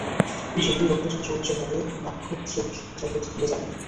যতই রক্তচন্দ্র উজ্জ্বল হবে, নাক্ষত্রিক জগত খুলে যাবে।